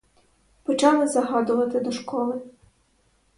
Почали загадувати до школи.